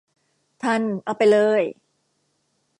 ทัน เอาไปเลย